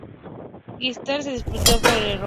Grisham se disculpó por el error.